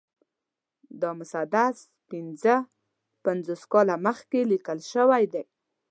دا مسدس پنځه پنځوس کاله مخکې لیکل شوی دی.